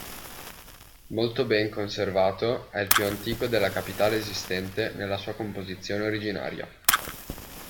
Molto ben conservato, è il più antico della capitale esistente nella sua composizione originaria.